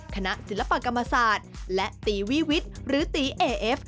ศิลปกรรมศาสตร์และตีวิวิทย์หรือตีเอเอฟ